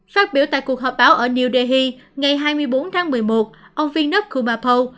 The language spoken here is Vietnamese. phát biểu tại cuộc họp báo ở new delhi ngày hai mươi bốn tháng một mươi một ông phinhnuk kumapow